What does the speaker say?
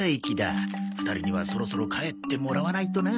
２人にはそろそろ帰ってもらわないとな。